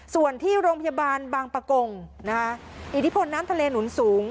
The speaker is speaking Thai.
ส่วนที่โรงพยาบาลบางประกงอิทธิพลน้ำทะเลหนุนสูง